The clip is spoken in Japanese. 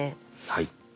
はい。